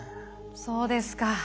そうですか。